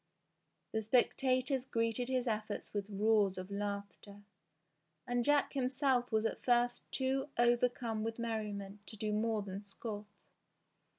The spectators greeted his efforts with roars of laughter, and Jack himself was at first too overcome with merriment to do more than scoff.